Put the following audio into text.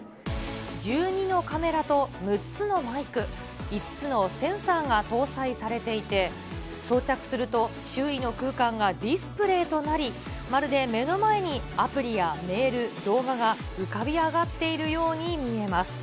１２のカメラと６つのマイク、５つのセンサーが搭載されていて、装着すると周囲の空間がディスプレーとなり、まるで目の前にアプリやメール、動画が浮かび上がっているように見えます。